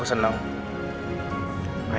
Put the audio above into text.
akhirnya kamu nerima cinta aku